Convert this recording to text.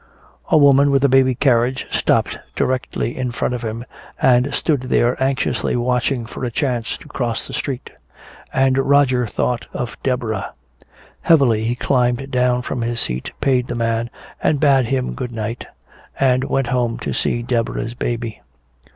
A woman with a baby carriage stopped directly in front of him and stood there anxiously watching for a chance to cross the street. And Roger thought of Deborah. Heavily he climbed down from his seat, paid the man and bade him good night, and went home to see Deborah's baby.